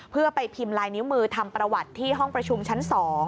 เพื่อไปพิมพ์ลายนิ้วมือทำประวัติที่ห้องประชุมชั้น๒